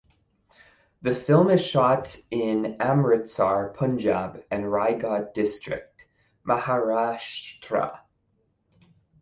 The film is shot in Amritsar (Punjab) and Raigad district (Maharashtra).